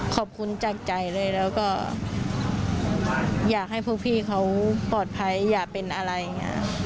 ขอบคุณจากใจเลยแล้วก็อยากให้พวกพี่เขาปลอดภัยอย่าเป็นอะไรอย่างนี้